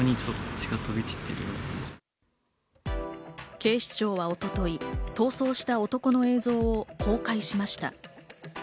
警視庁は一昨日、逃走した男の映像を公開しました。